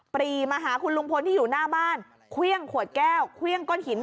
รีมาหาคุณลุงพลที่อยู่หน้าบ้านเครื่องขวดแก้วเครื่องก้นหิน